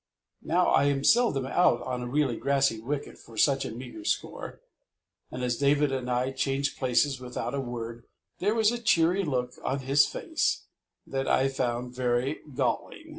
Now, I am seldom out on a really grassy wicket for such a meagre score, and as David and I changed places without a word, there was a cheery look on his face that I found very galling.